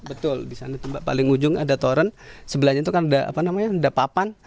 betul di sana paling ujung ada toren sebelahnya itu kan udah papan